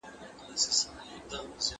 د دښمن په حق کې هم له عدل څخه کار واخلئ.